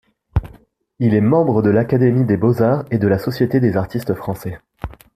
Il est membre de l'Académie des beaux-arts et de la Société des artistes français.